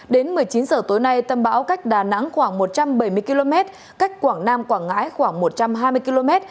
đến một mươi chín h tối nay tâm bão cách đà nẵng khoảng một trăm bảy mươi km cách quảng nam quảng ngãi khoảng một trăm hai mươi km